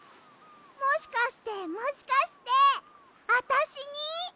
もしかしてもしかしてあたしに？